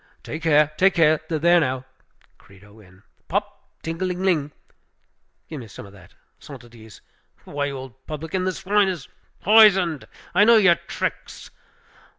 "Take care! take care! There, now Credo in Pop! ting a ling ling! give me some of that. Cent é dize! Why, you old publican, this wine is poisoned, I know your tricks!